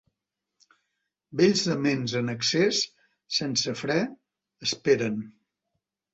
Vells dements en excés, sense fre, esperen.